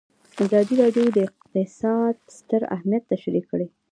ازادي راډیو د اقتصاد ستر اهميت تشریح کړی.